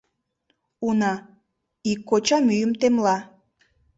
Уна, ик коча мӱйым темла.